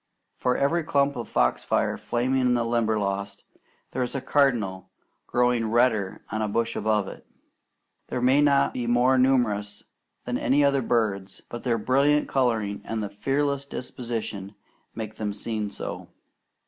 For every clump of foxfire flaming in the Limberlost, there is a cardinal glowing redder on a bush above it. These may not be more numerous than other birds, but their brilliant colouring and the fearless disposition make them seem so.